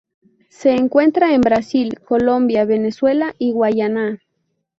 Se encuentra en Brasil, Colombia, Venezuela y Guayana.